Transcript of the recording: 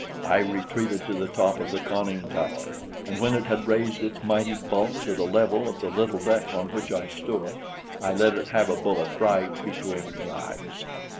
I retreated to the top of the conning tower, and when it had raised its mighty bulk to the level of the little deck on which I stood, I let it have a bullet right between the eyes.